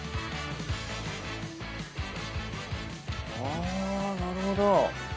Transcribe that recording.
あなるほど。